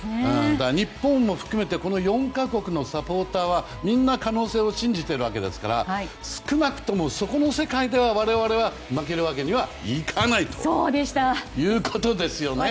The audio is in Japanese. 日本も含めて４か国のサポーターはみんな可能性を信じているわけですから少なくともそこの世界では我々は負けるわけにはいかないということですね。